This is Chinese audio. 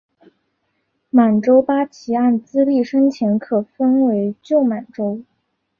满洲八旗按资历深浅可分为旧满洲。